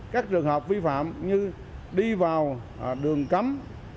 các trường hợp vi phạm như đi vào đường cấm